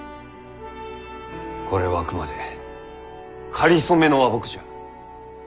これはあくまでかりそめの和睦じゃ。